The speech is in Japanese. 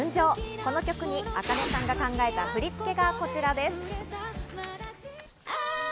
この曲にａｋａｎｅさんが考えた振り付けがこちらです。